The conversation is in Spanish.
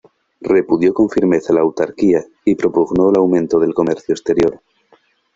Repudió con firmeza la autarquía y propugnó el aumento del comercio exterior.